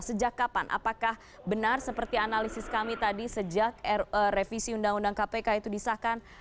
sejak kapan apakah benar seperti analisis kami tadi sejak revisi undang undang kpk itu disahkan